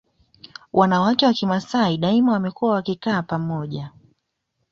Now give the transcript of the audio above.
Wanawake wa Kimasai daima wamekuwa wakikaa pamoja